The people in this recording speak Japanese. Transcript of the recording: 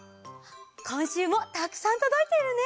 こんしゅうもたくさんとどいているね！